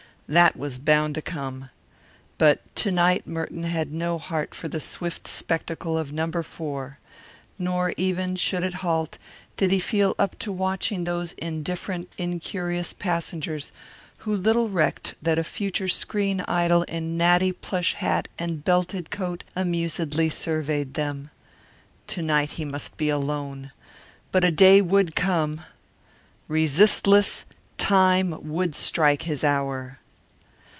That was bound to come. But to night Merton had no heart for the swift spectacle of No. 4. Nor even, should it halt, did he feel up to watching those indifferent, incurious passengers who little recked that a future screen idol in natty plush hat and belted coat amusedly surveyed them. To night he must be alone but a day would come. Resistless Time would strike his hour!